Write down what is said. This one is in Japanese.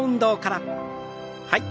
はい。